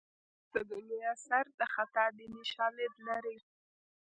حب د دنیا سر د خطا دیني شالید لري